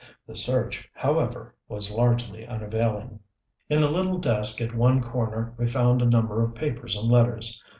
The search, however, was largely unavailing. In a little desk at one corner we found a number of papers and letters.